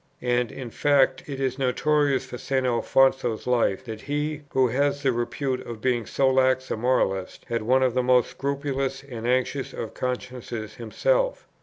And, in fact, it is notorious from St. Alfonso's Life, that he, who has the repute of being so lax a moralist, had one of the most scrupulous and anxious of consciences himself.